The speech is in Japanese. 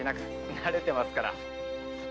慣れてますから。